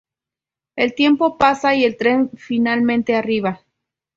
El tiempo pasa y el tren finalmente arriba.